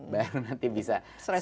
baru nanti bisa semakin terakhir